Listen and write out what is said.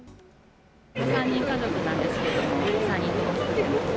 ３人家族なんですけども、３人とも作ってます。